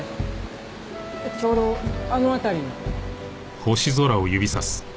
ちょうどあの辺りに。